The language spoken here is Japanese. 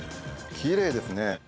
きれいですね。